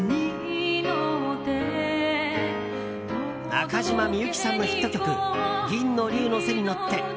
中島みゆきさんのヒット曲「銀の龍の背に乗って」。